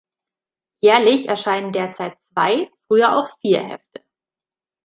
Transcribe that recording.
Jährlich erscheinen derzeit zwei, früher auch vier, Hefte.